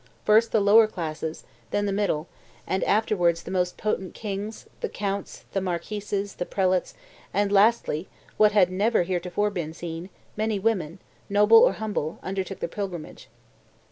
First the lower classes, then the middle, afterwards the most potent kings, the counts, the marquises, the prelates, and lastly, what had never heretofore been seen, many women, noble or humble, undertook this pilgrimage."